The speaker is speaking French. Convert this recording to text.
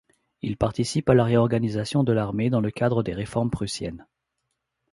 Il participe à la réorganisation de l'armée dans le cadre des réformes prussiennes.